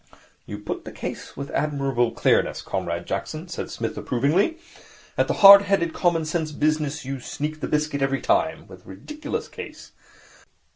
'You put the case with admirable clearness, Comrade Jackson,' said Psmith approvingly. 'At the hard headed, common sense business you sneak the biscuit every time with ridiculous ease.